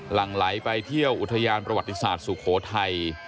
หลังไหลไปเที่ยวอุทยานประวัติศาสตร์สุโขทัย